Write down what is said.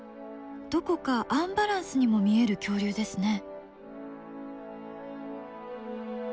どこかアンバランスにも見える恐竜ですね。